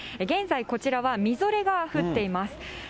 現在、こちらはみぞれが降っています。